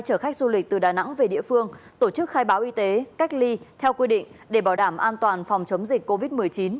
chở khách du lịch từ đà nẵng về địa phương tổ chức khai báo y tế cách ly theo quy định để bảo đảm an toàn phòng chống dịch covid một mươi chín